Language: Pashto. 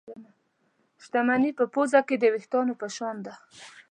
شتمني په پوزه کې د وېښتانو په شان ده.